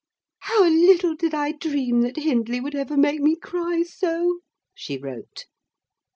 "How little did I dream that Hindley would ever make me cry so!" she wrote.